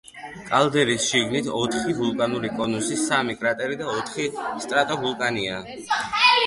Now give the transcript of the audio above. კალდერის შიგნით, ოთხი ვულკანური კონუსი, სამი კრატერი და ოთხი სტრატოვულკანია.